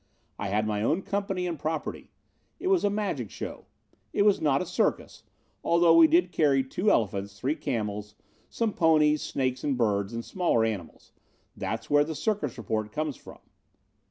I had my own company and property. It was a magic show. It was not a circus, although we did carry two elephants, three camels, some ponies, snakes, and birds and smaller animals. That's where the circus report came from.